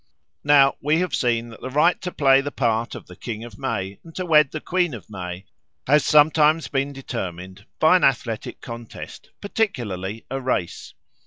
Now we have seen that the right to play the part of the King of May and to wed the Queen of May has sometimes been determined by an athletic contest, particularly by a race.